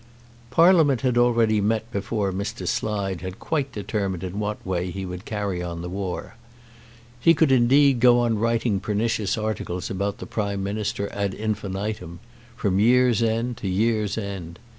Parliament had already met before Mr. Slide had quite determined in what way he would carry on the war. He could indeed go on writing pernicious articles about the Prime Minister ad infinitum, from year's end to year's end.